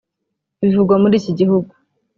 bivugwa muri iki gihugu